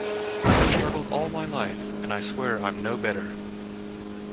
I have struggled all my life, and I swear I'm no better.